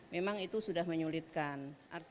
memang itu sudah menyulitkan